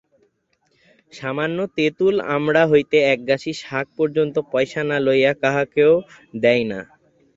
সামান্য তেঁতুল আমড়া হইতে একগাছি শাক পর্যন্ত পয়সা না লইয়া কাহাকেও দেয় না।